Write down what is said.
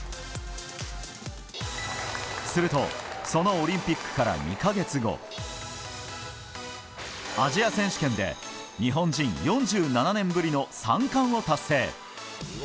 するとそのオリンピックから２か月後アジア選手権で日本人４７年ぶりの３冠を達成。